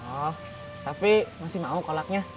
oh tapi masih mau kolaknya